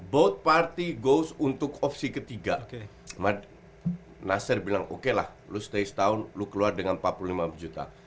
both party goes untuk opsi ketiga nasir bilang okelah lu stay setahun lu keluar dengan empat puluh lima juta